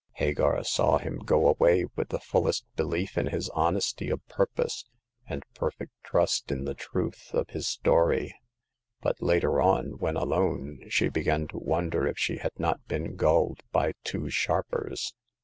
Hagar saw him go away with the fullest belief in his honesty of purpose, and perfect trust in the truth of his story ; but later on, when alone, she began to wonder if she had not been gulled by two sharp ers.